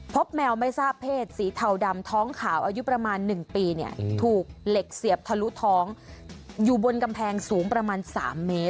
แมวไม่ทราบเพศสีเทาดำท้องขาวอายุประมาณ๑ปีเนี่ยถูกเหล็กเสียบทะลุท้องอยู่บนกำแพงสูงประมาณ๓เมตร